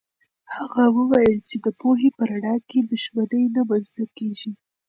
هغه وویل چې د پوهې په رڼا کې دښمني له منځه ځي.